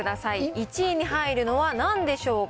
１位に入るのはなんでしょうか。